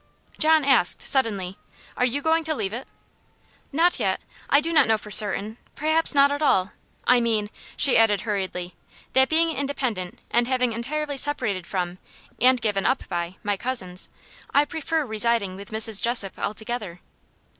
John asked, suddenly "Are you going to leave it?" "Not yet I do not know for certain perhaps not at all. I mean," she added, hurriedly, "that being independent, and having entirely separated from, and been given up by, my cousins, I prefer residing with Mrs. Jessop altogether."